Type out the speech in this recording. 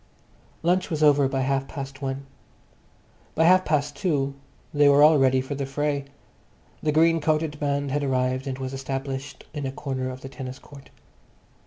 Lunch was over by half past one. By half past two they were all ready for the fray. The green coated band had arrived and was established in a corner of the tennis court.